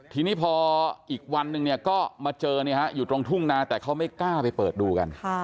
ทีนี้พออีกวันนึงเนี่ยก็มาเจออยู่ตรงทุ่งนาแต่เขาไม่กล้าไปเปิดดูกัน